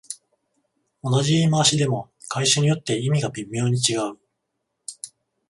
同じ言い回しでも会社によって意味が微妙に違う